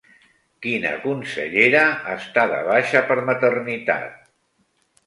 Quina consellera està de baixa per maternitat?